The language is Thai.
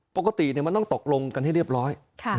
ปกติมันต้องตกลงกันให้เรียบร้อย